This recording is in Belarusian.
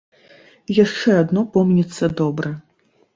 Яшчэ адно помніцца добра.